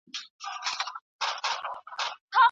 دا د وطن د جوړولو لاره ده.